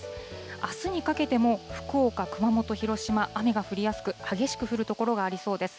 あすにかけても福岡、熊本、広島、雨が降りやすく、激しく降る所がありそうです。